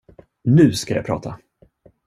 Nu ska jag prata!